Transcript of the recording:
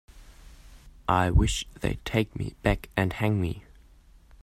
I wish they'd take me back and hang me.